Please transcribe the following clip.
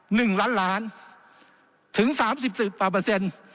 หนึ่งล้านล้านถึงสามสิบสิบกว่าเปอร์เซ็นต์